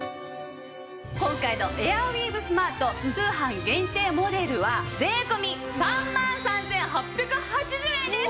今回のエアウィーヴスマート通販限定モデルは税込３万３８８０円です！